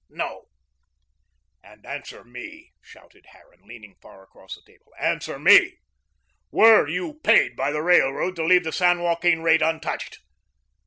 "No." "And answer ME," shouted Harran, leaning far across the table, "answer ME. Were you paid by the Railroad to leave the San Joaquin rate untouched?"